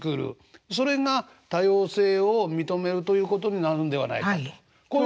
それが多様性を認めるということになるんではないかと。